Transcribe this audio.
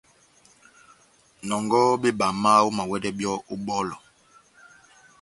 Nɔngɔhɔ bebama, omawɛdɛ byɔ́ ó bɔlɔ.